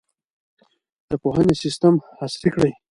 د پوهنې سیستم عصري کړئ.